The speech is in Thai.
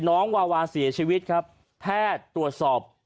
น้องวาวาเสียชีวิตครับแพทย์ตรวจสอบ